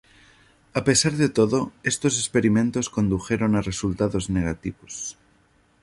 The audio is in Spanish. A pesar de todo, estos experimentos condujeron a resultados negativos.